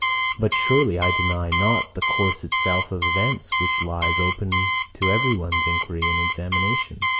But surely, I deny not the course itself of events, which lies open to every one's inquiry and examination.